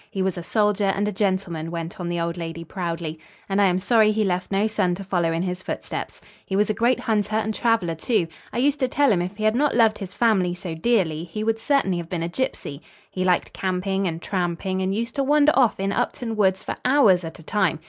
He was a soldier and a gentleman," went on the old lady proudly, "and I am sorry he left no son to follow in his footsteps. He was a great hunter and traveler, too. I used to tell him if he had not loved his family so dearly, he would certainly have been a gypsy. He liked camping and tramping, and used to wander off in Upton Woods for hours at a time.